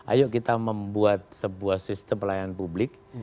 ayo kita membuat sebuah sistem pelayanan publik